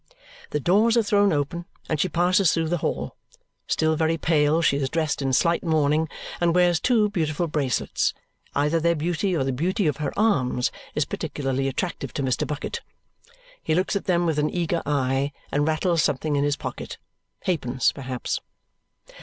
The doors are thrown open, and she passes through the hall. Still very pale, she is dressed in slight mourning and wears two beautiful bracelets. Either their beauty or the beauty of her arms is particularly attractive to Mr. Bucket. He looks at them with an eager eye and rattles something in his pocket halfpence perhaps.